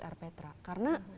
dua ratus rptra karena